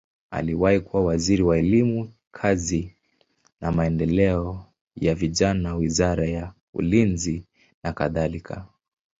Aliwahi kuwa waziri wa elimu, kazi na maendeleo ya vijana, wizara ya ulinzi nakadhalika.